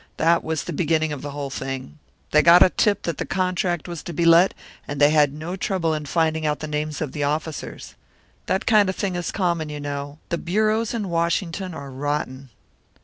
"That was the beginning of the whole thing. They got a tip that the contract was to be let, and they had no trouble in finding out the names of the officers. That kind of thing is common, you know; the bureaus in Washington are rotten."